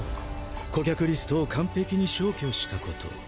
顧客リストを完璧に消去したことを。